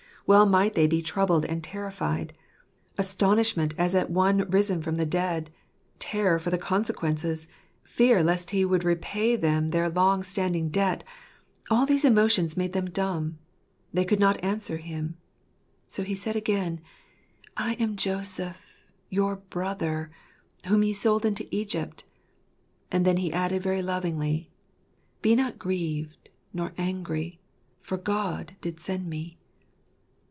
Well might they be troubled and terrified. Astonishment as at one risen from the dead, terror for the consequences, fear lest he would repay them the long standing debt — all these emo tions made them dumb. They could not answer him. So he said again, " I am Joseph, your brother , whom ye sold into Egypt"; and he added very lovingly, "Be not grieved, nor angry, for God did send me."